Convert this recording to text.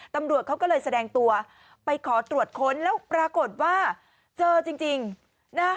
ตำรวจเขาก็เลยแสดงตัวไปขอตรวจค้นแล้วปรากฏว่าเจอจริงนะ